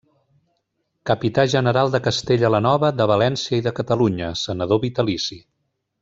Capità General de Castella la Nova, de València i de Catalunya, Senador vitalici.